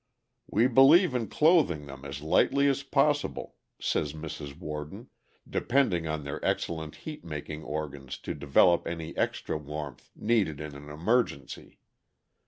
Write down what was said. ] "'We believe in clothing them as lightly as possible,' says Mrs. Worden, 'depending on their excellent heat making organs to develop any extra warmth needed in an emergency.